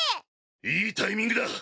いいタイミングだ。